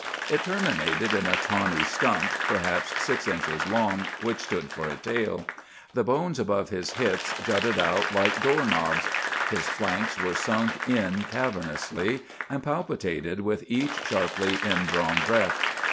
It terminated in a tawny stump, perhaps six inches long, which stood for a tail. The bones above his hips jutted out like door knobs; his flanks were sunk in cavernously, and palpitated with each sharply indrawn breath.